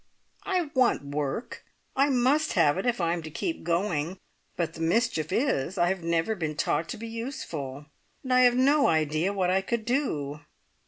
I want work! I must have it if I am to keep going, but the mischief is, I have never been taught to be useful, and I have no idea what I could do!